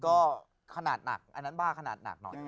ก็ขนาดหนักอันนั้นบ้าขนาดหนักหน่อย